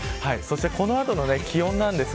この後の気温です。